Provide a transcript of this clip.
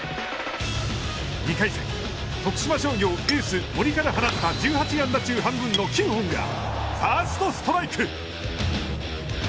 ２回戦、徳島商業エース森から放った１８安打中、半分の９本がファーストストライク。